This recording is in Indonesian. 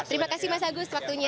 terima kasih mas agus waktunya